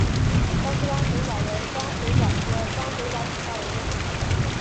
高斯光水蚤为光水蚤科光水蚤属下的一个种。